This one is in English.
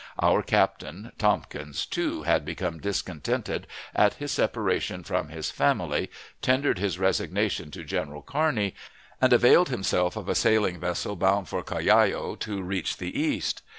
Our Captain (Tompkins), too, had become discontented at his separation from his family, tendered his resignation to General Kearney, and availed himself of a sailing vessel bound for Callao to reach the East.